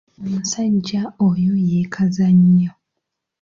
Omusajja oyo yeekaza nnyo.